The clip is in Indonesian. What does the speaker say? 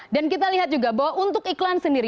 dan kita lihat juga bahwa untuk iklan sendiri